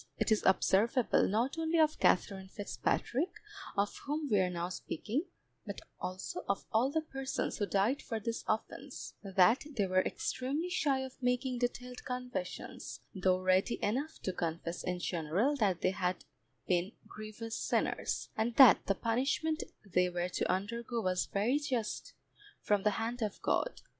It is observable not only of Katherine Fitzpatrick, of whom we are now speaking, but also of all the persons who died for this offence, that they were extremely shy of making detailed confessions, though ready enough to confess in general that they had been grievous sinners, and that the punishment they were to undergo was very just from the hand of God.